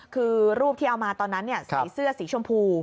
คือรูปที่เอามาตอนนั้นใส่เสื้อสีชมพู